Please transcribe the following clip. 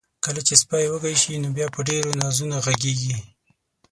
کله چې سپی وږي شي، نو بیا په ډیرو نازونو غږیږي.